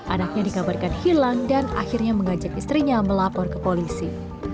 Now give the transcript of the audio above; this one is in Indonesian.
anaknya dikabarkan hilang dan akhirnya mengajak istrinya melapor ke polisi